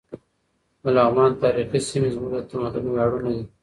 د لغمان تاریخي سیمې زموږ د تمدن ویاړونه دي.